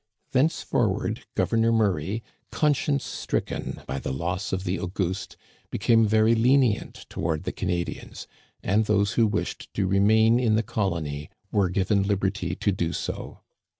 Thenceforward Governor Murray, conscience stricken by the loss of the Auguste, became very lenient toward the Canadians, and those who wished to remain in the colony were given liberty to do so.